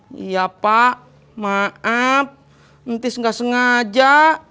nis iya pak maaf ntis gak sengaja